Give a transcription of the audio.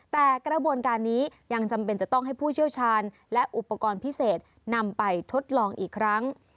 แต่กระบวนการนี้ยังจำเป็นจะต้องให้ผู้เชี่ยวชาญและอุปกรณ์พิเศษนำไปทดลองอีกครั้ง